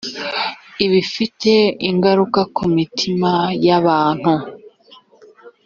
bifite ingaruka ku mitima y’abantu